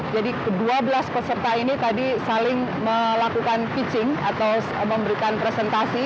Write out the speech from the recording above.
jadi ke dua belas peserta ini tadi saling melakukan pitching atau memberikan presentasi